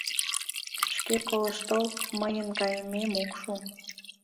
— Шке колышт тол, мыйын кайымем ок шу.